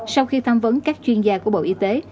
sau khi tham vấn các chuyên gia của bộ y tế